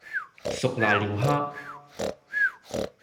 熟瀨尿蝦